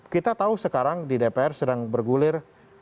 kita tahu sekarang di dpr sedang bergulir